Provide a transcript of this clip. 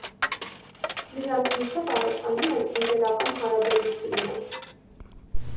Նրանց միջև առաջանում են ընկերական հարաբերություններ։